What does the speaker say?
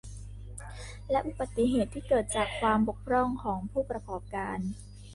และอุบัติเหตุที่เกิดจากความบกพร่องของผู้ประกอบการ